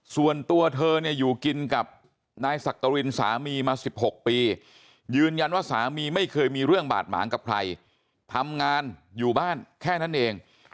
ส่วนตัวเธอเนี่ยอยู่กินกับนายสักกรินสามีมา๑๖ปียืนยันว่าสามีไม่เคยมีเรื่องบาดหมางกับใครทำงานอยู่บ้านแค่นั้นเอง